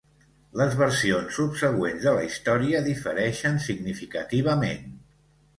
Les versions subsegüents de la història difereixen significativament.